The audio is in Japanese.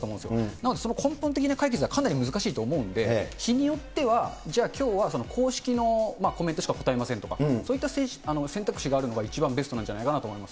なので根本的な解決はかなり難しいと思うんで、日によってはじゃあきょうは公式のコメントしか答えませんとか、そういった選択肢があるのが一番ベストなんじゃないかなと思いま